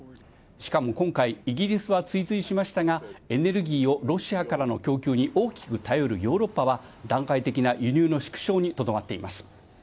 しかも今回、イギリスは追随しましたが、エネルギーをロシアからの供給に大きく頼るヨーロッパは段階的な輸入の縮小にとどまっています。